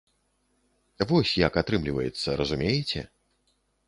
Вось, як атрымліваецца, разумееце?